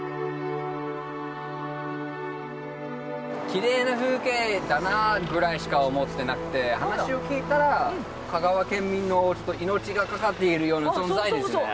きれいな風景だなぐらいしか思ってなくて話を聞いたら香川県民の命がかかっているような存在ですね。